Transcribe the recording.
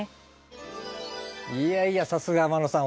いやいやさすが天野さん